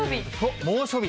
猛暑日。